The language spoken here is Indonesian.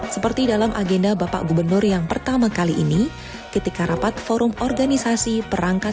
seperti dalam agenda bapak gubernur yang pertama kali ini ketika rapat forum organisasi perangkat